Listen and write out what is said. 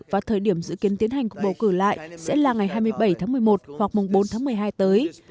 và thời điểm dự kiến tiến hành cuộc bầu cử lại sẽ là ngày hai mươi bảy tháng một mươi một hoặc bốn tháng một mươi hai tới